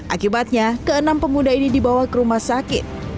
akibatnya keenam pemuda ini dibawa ke rumah sakit